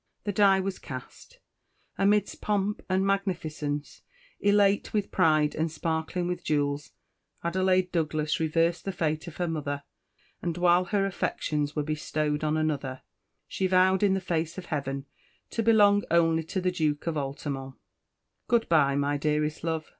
The die was cast. Amidst pomp and magnificence, elate with pride, and sparkling with jewels, Adelaide Douglas reversed the fate of her mother; and while her affections were bestowed on another, she vowed, in the face of heaven, to belong only to the Duke of Altamont! "Good bye, my dearest love!"